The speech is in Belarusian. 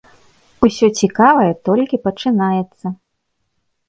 Усё цікавае толькі пачынаецца.